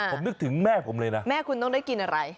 ผมนึกถึงแม่ผมเลยนะแม่คุณต้องได้กินอะไร